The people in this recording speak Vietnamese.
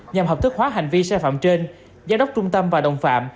nhằm hợp thức hóa hành vi sai phạm trên giám đốc trung tâm và đồng phạm